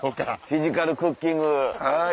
フィジカルクッキング。